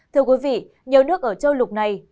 thưa quý vị nhiều nước ở châu lục này đang khó khăn